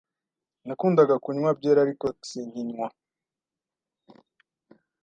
Nakundaga kunywa byeri, ariko sinkinywa.